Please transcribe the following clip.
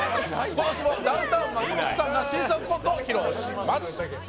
今年もダウンタウン・松本さんが新作コントを披露します。